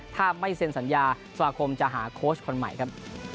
ถ้าไม่เซ็นสัญญาสมาคมจะหาโค้ชคนใหม่ครับ